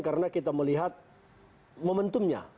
karena kita melihat momentumnya